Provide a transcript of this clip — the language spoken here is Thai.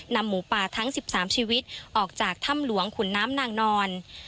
หมูป่าทั้ง๑๓ชีวิตออกจากถ้ำหลวงขุนน้ำนางนอน